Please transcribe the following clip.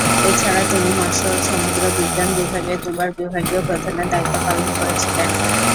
এছাড়া তিনি মৎস্য ও সমুদ্র বিজ্ঞান বিভাগের দুবার বিভাগীয় প্রধানের দায়িত্ব পালন করেছিলেন।